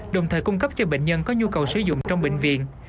đồng thời cung cấp cho bệnh nhân có nhu cầu sử dụng trong bệnh viện